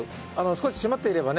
少し締まっていればね